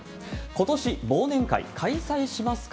ことし、忘年会開催しますか？